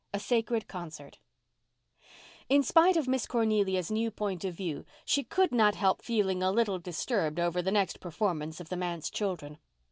A SACRED CONCERT In spite of Miss Cornelia's new point of view she could not help feeling a little disturbed over the next performance of the manse children.